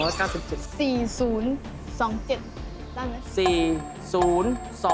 ๔๐๒๗ได้ไหม